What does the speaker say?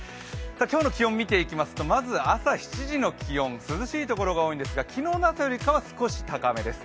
今日の気温見ていきますと、まずは朝７時の気温涼しいところが多いですが昨日の朝よりかは少し高めです。